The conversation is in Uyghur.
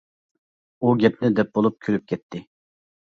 ئۇ گەپنى دەپ بولۇپ كۈلۈپ كەتتى.